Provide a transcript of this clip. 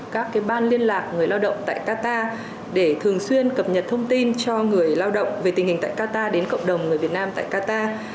các ban liên lạc người lao động tại qatar để thường xuyên cập nhật thông tin cho người lao động về tình hình tại qatar đến cộng đồng người việt nam tại qatar